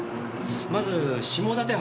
まず下館発